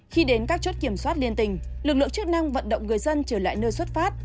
khi đến các chốt kiểm soát liên tình lực lượng chức năng vận động người dân trở lại nơi xuất phát